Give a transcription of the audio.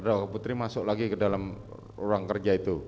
saudara putri masuk lagi ke dalam ruang kerja itu